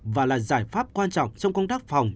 và là giải pháp quan trọng trong công tác phòng